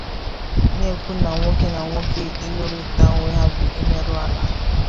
na-ekwu na nwoke na nwoke ịlụrita onwe ha bụ ịmerụ ala